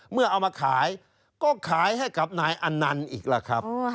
เมื่อเอามาขายก็ขายให้กับนายอันนั่นอีกแหละครับ